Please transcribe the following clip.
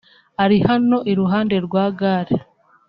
ari hano iruhande rwa Gare